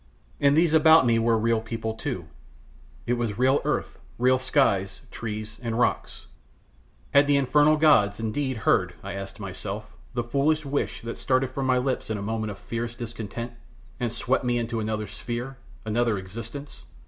And these about me were real people, too; it was real earth; real skies, trees, and rocks had the infernal gods indeed heard, I asked myself, the foolish wish that started from my lips in a moment of fierce discontent, and swept me into another sphere, another existence?